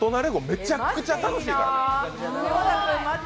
めちゃくちゃ楽しいから。